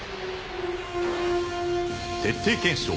『徹底検証！